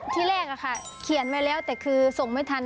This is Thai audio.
ที่แรกผมแล้วส่งทีเมื่อผมทาน